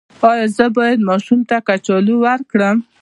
ایا زه باید ماشوم ته کچالو ورکړم؟